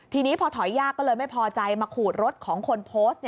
ทีนี้พอถอยยากก็เลยไม่พอใจมาขูดรถของคนโพสต์